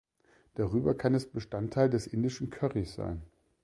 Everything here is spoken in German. Darüber kann es Bestandteil des indischen Currys sein.